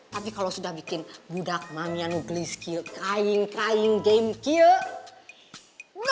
tapi kalau sudah bikin budak mamianu gelis kiil kain kain game kiil